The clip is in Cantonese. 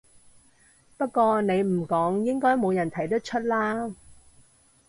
不過你唔講應該冇人睇得出啦